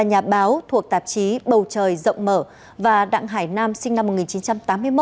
nhà báo thuộc tạp chí bầu trời rộng mở và đặng hải nam sinh năm một nghìn chín trăm tám mươi một